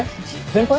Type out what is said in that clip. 先輩。